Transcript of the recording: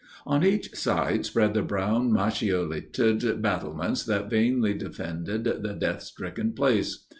On each side spread the brown machicolated battlements that vainly defended the death stricken place.